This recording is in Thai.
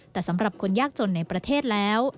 แต่สำหรับคนยากจนในประเทศแล้ว